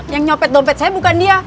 yang nyopet dompet saya bukan dia